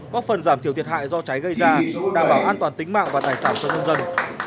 góp phần giảm thiểu thiệt hại do cháy gây ra đảm bảo an toàn tính mạng và tài sản cho nhân dân